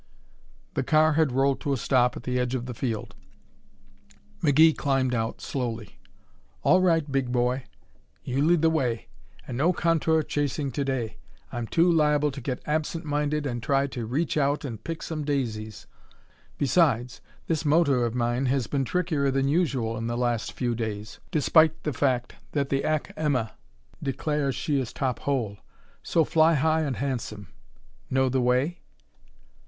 The car had rolled to a stop at the edge of the field. McGee climbed out slowly. "All right, big boy. You lead the way. And no contour chasing to day. I'm too liable to get absent minded and try to reach out and pick some daisies. Besides, this motor of mine has been trickier than usual in the last few days despite the fact that the Ack Emma declares she is top hole. So fly high and handsome. Know the way?"